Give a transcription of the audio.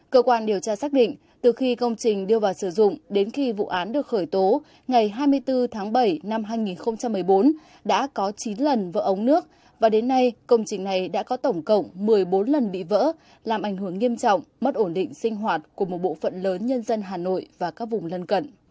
cơ quan điều tra xác định từ khi công trình đưa vào sử dụng đến khi vụ án được khởi tố ngày hai mươi bốn tháng bảy năm hai nghìn một mươi bốn đã có chín lần vỡ ống nước và đến nay công trình này đã có tổng cộng một mươi bốn lần bị vỡ làm ảnh hưởng nghiêm trọng mất ổn định sinh hoạt của một bộ phận lớn nhân dân hà nội và các vùng lân cận